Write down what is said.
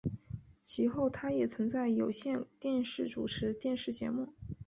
其后他也曾在有线电视主持电视节目。